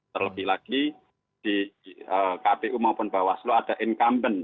terlebih lagi di kpu maupun bawah selu ada incumbent